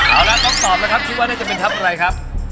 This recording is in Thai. เอาเสียงตอบแล้วครับถึงว่าได้ก็เป็นทัพอะไรครับ